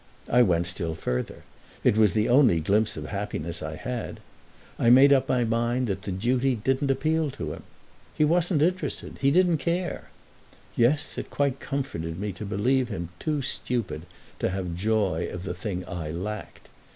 I went still further—it was the only glimpse of happiness I had. I made up my mind that the duty didn't appeal to him. He wasn't interested, he didn't care. Yes, it quite comforted me to believe him too stupid to have joy of the thing I lacked.